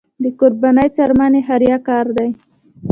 د قربانۍ څرمنې خیریه کار دی